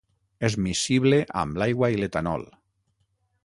És miscible amb l'aigua i l'etanol.